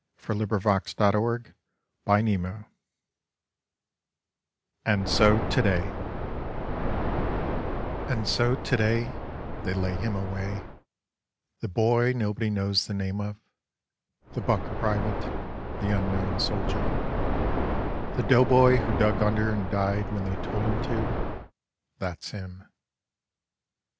20 Slabs of the Sunburnt West AND SO TO DAY And so to day — they lay him away — the boy nobody knows the name of — the buck private — the unknown soldier the doughboy who dug under and died when they told him to — that's him.